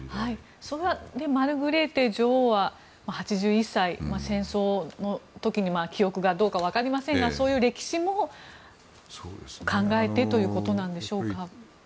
それはマルグレーテ女王は８１歳戦争の時に記憶がどうか分かりませんがそういう歴史も考えてということなんでしょうか。